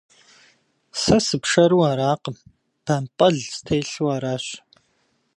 Сэ сыпшэру аракъым, бампӏэл стелъу аращ.